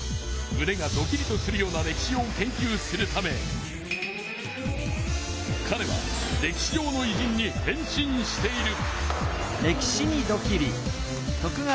むねがドキリとするような歴史を研究するためかれは歴史上のいじんに変身している。